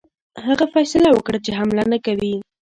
هغه فیصله وکړه چې حمله نه کوي.